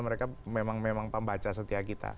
mereka memang memang pembaca setiap kita